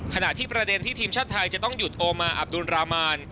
ขณะที่ประเด็นที่ทีมชาติไทยจะต้องหยุดโอมาอับดุลรามาน